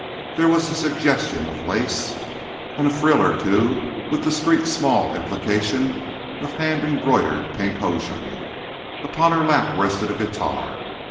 There was a suggestion of lace, and a frill or two, with a discreet, small implication of hand embroidered pink hosiery. Upon her lap rested a guitar.